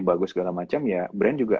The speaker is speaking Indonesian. bagus segala macam ya brand juga